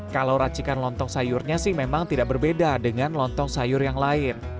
kalau racikan lontong sayurnya sih memang tidak berbeda dengan lontong sayur yang lain